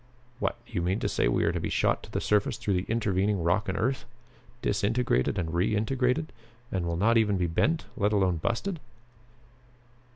"What? You mean to say we are to be shot to the surface through the intervening rock and earth? Disintegrated and reintegrated? And we'll not even be bent, let alone busted?"